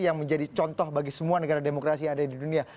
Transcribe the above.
yang menjadi contoh bagi semua negara demokrasi yang ada di dunia